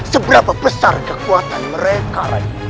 seberapa besar kekuatan mereka